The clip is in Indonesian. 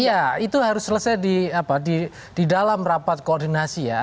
iya itu harus selesai di dalam rapat koordinasi ya